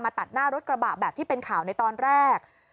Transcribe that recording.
ตัดหน้ารถกระบะแบบที่เป็นข่าวในตอนแรก